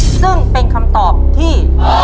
ซึ่งเป็นคำตอบที่